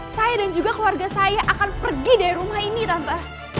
saya dan juga keluarga saya akan pergi dari rumah ini tante